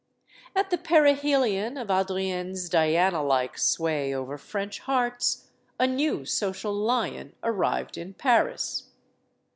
At the perihelion of Adrienne's Dianalike sway over French hearts, a new social lion arrived in Paris.